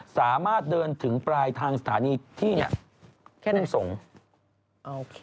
สามารถเดินถึงปลายทางสถานีที่ทุ่งสงศ์